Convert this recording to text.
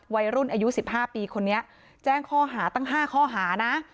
วัยรุ่นอายุ๑๕ปีคนนี้แจ้งข้อหาตั้ง๕ข้อหานะ